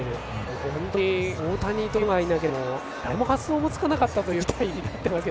本当に大谷という人がいなければ誰も発想もつかなかったという事態になってます。